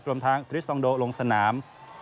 รวมทั้งทริสซองโดลงสนาม